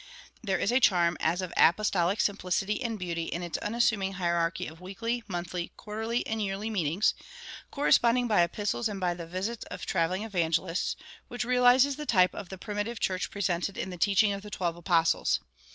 There is a charm as of apostolic simplicity and beauty in its unassuming hierarchy of weekly, monthly, quarterly, and yearly meetings, corresponding by epistles and by the visits of traveling evangelists, which realizes the type of the primitive church presented in "The Teaching of the Twelve Apostles."